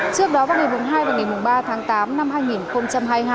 trước đó vào ngày hai và ngày ba tháng tám năm hai nghìn hai mươi hai